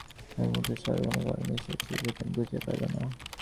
এ অনুমতি চাওয়ার কোনো কারণই শশী সেদিন খুঁজিয়া পাইল না।